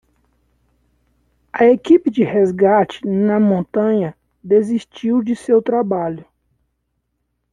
A equipe de resgate na montanha desistiu de seu trabalho.